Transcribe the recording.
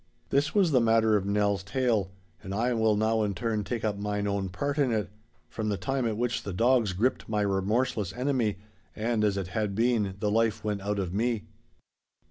This was the matter of Nell's tale, and I will now in turn take up mine own part in it, from the time at which the dogs gripped my remorseless enemy, and as it had been, the life went out from me.